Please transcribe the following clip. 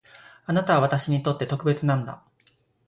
あなたは私にとって特別なんだ